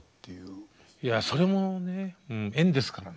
いやそれもね縁ですからね。